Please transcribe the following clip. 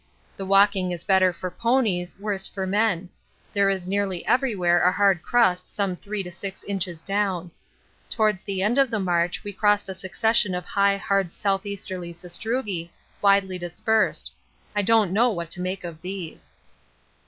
The walking is better for ponies, worse for men; there is nearly everywhere a hard crust some 3 to 6 inches down. Towards the end of the march we crossed a succession of high hard south easterly sastrugi, widely dispersed. I don't know what to make of these.